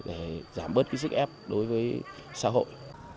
để giảm bớt cái sức ép đối với xã hội